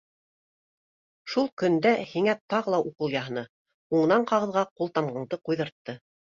Ул шул көндә һиңә тағы ла укол яһаны, һуңынан ҡағыҙға ҡултамғаңды ҡуйҙыртты.